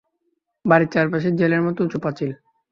বাড়ির চারপাশে জেলের মত উচু পাঁচিল।